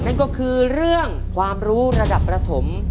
นั่นก็คือเรื่องความรู้ระดับประถม